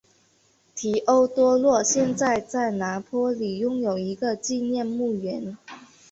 提欧多洛现在在拿坡里拥有一个纪念墓园。